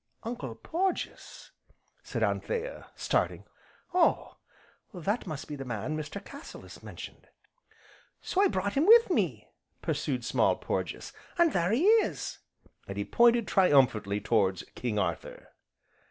"Uncle Porges!" said Anthea, starting, "Oh! that must be the man Mr. Cassilis mentioned " "So I brought him with me," pursued Small Porges, "an' there he is!" and he pointed triumphantly towards "King Arthur."